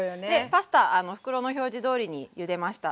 パスタ袋の表示どおりにゆでました。